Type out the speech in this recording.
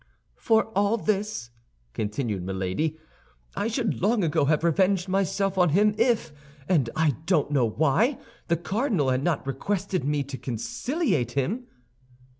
"For all this," continued Milady, "I should long ago have revenged myself on him if, and I don't know why, the cardinal had not requested me to conciliate him."